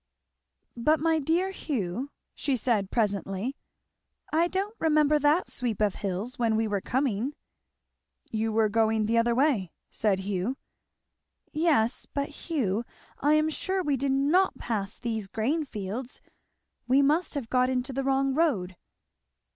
"But my dear Hugh," she said presently, "I don't remember that sweep of hills when we were coming?" "You were going the other way," said Hugh. "Yes but, Hugh, I am sure we did not pass these grain fields. We must have got into the wrong road."